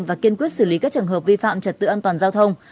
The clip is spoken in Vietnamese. và kiên quyết xử lý các trường hợp vi phạm trật tự an toàn giao thông